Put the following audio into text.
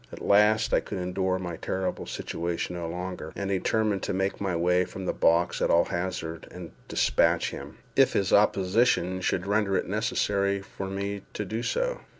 At last I could endure my terrible situation no longer, and determined to make my way from the box at all hazards, and dispatch him, if his opposition should render it necessary for me to do so.